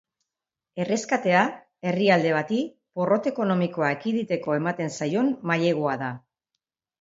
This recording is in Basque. Erreskatea herrialde bati porrot ekonomikoa ekiditeko ematen zaion mailegua da.